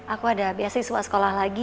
aku ada biasiswa sekolah lagi